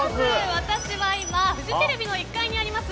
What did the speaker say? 私は今フジテレビの１階にあります